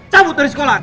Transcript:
cabut dari sekolah